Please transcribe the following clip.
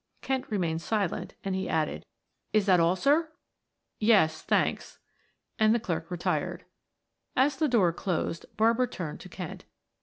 Kent remained silent, and he added, "Is that all, sir?" "Yes, thanks," and the clerk retired. As the door closed Barbara turned to Kent.